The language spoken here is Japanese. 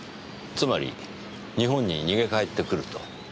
つまり日本に逃げ帰ってくると。